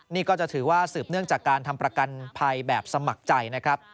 นี่ก็จะถือว่าสืบเนื่องจากการทำประกันภัยแบบสมัครใจนะครับ